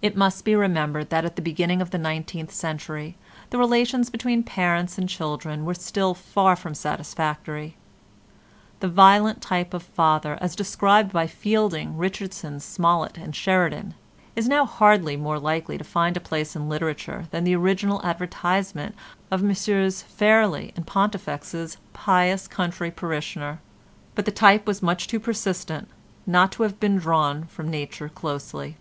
It must be remembered that at the beginning of the nineteenth century the relations between parents and children were still far from satisfactory. The violent type of father, as described by Fielding, Richardson, Smollett and Sheridan, is now hardly more likely to find a place in literature than the original advertisement of Messrs. Fairlie & Pontifex's "Pious Country Parishioner," but the type was much too persistent not to have been drawn from nature closely.